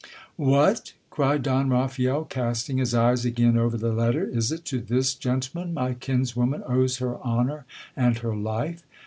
" What ! cried Don Raphael, casting his eyes again over the letter, is it to this gentleman my kinswoman owes her honour and her life